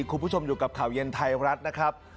คุณผู้ชมอยู่กับข่าวเย็นไทยรัฐนะครับ